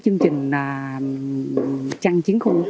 chương trình trăng chiến khu